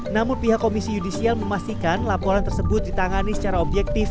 namun pihak komisi yudisial memastikan laporan tersebut ditangani secara objektif